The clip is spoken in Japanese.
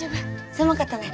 狭かったね。